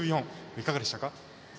いかがでしたか？